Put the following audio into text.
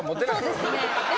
そうですね。